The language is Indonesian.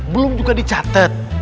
belum juga dicatat